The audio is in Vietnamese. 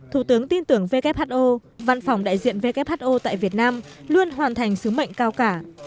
thủ tướng tin tưởng who văn phòng đại diện who tại việt nam luôn hoàn thành sứ mệnh cao cả